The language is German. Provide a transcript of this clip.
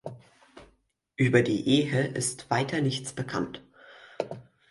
Über die Ehe ist weiter nichts bekannt.